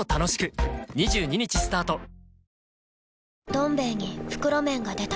「どん兵衛」に袋麺が出た